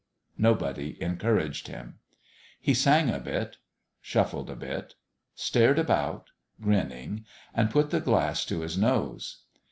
Nobody encouraged him. He sang a bit, shuffled a bit, stared about, grinning, and put the glass to his nose.